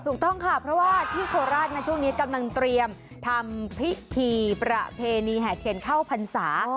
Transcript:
ถูกต้องค่ะเพราะว่าที่โคราชนะช่วงนี้กำลังเตรียมทำพิธีประเพณีแห่เทียนเข้าพรรษา